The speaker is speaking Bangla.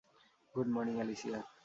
Good morning, Alicia.